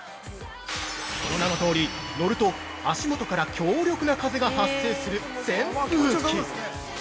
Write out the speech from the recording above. その名のとおり乗ると、足元から強力な風が発生する扇風機なんです。